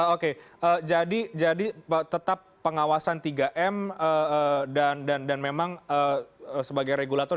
oke jadi tetap pengawasan tiga m dan memang sebagai regulator